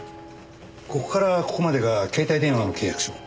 ここからここまでが携帯電話の契約書。